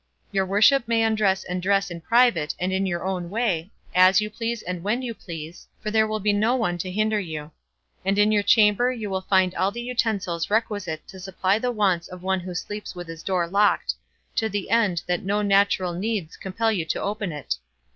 Your worship may undress and dress in private and in your own way, as you please and when you please, for there will be no one to hinder you; and in your chamber you will find all the utensils requisite to supply the wants of one who sleeps with his door locked, to the end that no natural needs compel you to open it.